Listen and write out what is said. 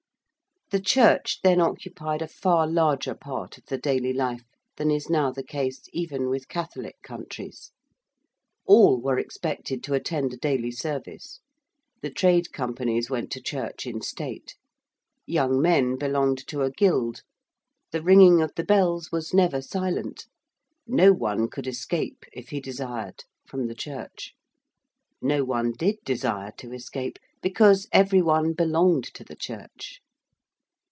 The church then occupied a far larger part of the daily life than is now the case even with Catholic countries. All were expected to attend a daily service: the trade companies went to church in state: young men belonged to a guild: the ringing of the bells was never silent: no one could escape, if he desired, from the Church. No one did desire to escape, because every one belonged to the Church.